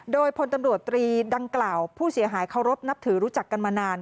โดยพลตำรวจตรีดังกล่าวผู้เสียหายเคารพนับถือรู้จักกันมานาน